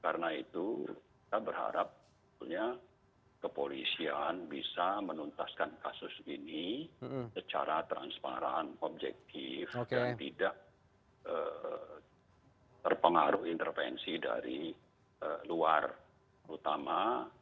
karena itu kita berharap kepolisian bisa menuntaskan kasus ini secara transparan objektif dan tidak terpengaruhi intervensi dari luar utama